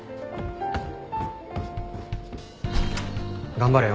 頑張れよ。